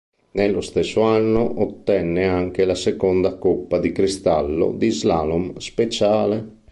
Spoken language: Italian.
Nello stesso anno ottenne anche la seconda coppa di cristallo di slalom speciale.